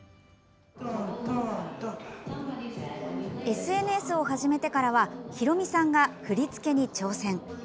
ＳＮＳを始めてからはヒロミさんが振り付けに挑戦。